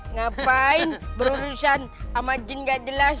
ngapain berurusan sama jin gak jelas